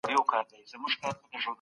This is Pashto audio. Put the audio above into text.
هیڅوک باید د بې وزلۍ له امله ونه رټل سي.